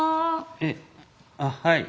「えっあっはい！